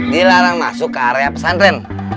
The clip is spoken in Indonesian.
dilarang masuk ke area pesantren